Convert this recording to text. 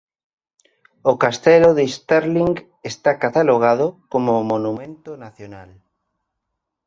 O castelo de Stirling está catalogado como Monumento Nacional.